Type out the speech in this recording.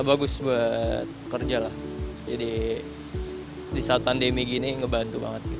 bagus buat kerja lah jadi di saat pandemi gini ngebantu banget